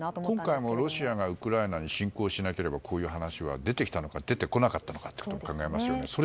今回もロシアがウクライナに侵攻しなければこういう話は出てきたのか出てこなかったのかと思いますね。